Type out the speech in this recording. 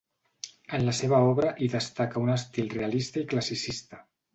En la seva obra hi destaca un estil realista i classicista.